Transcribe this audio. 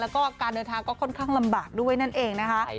แล้วก็การเดินทางก็ค่อนข้างลำบากด้วยนั่นเองนะคะ